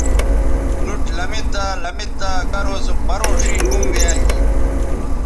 نُوٹ لمیدا لمیدا کرو سو پروں ݜینگ ھُمویال گی